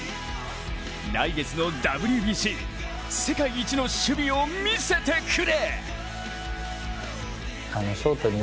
来月のＷＢＣ、世界一の守備を見せてくれ！